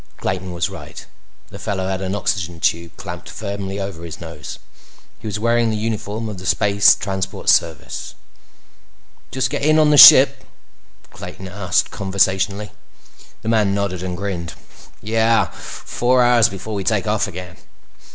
Clayton was right. The fellow had an oxygen tube clamped firmly over his nose. He was wearing the uniform of the Space Transport Service. "Just get in on the ship?" Clayton asked conversationally. The man nodded and grinned. "Yeah. Four hours before we take off again."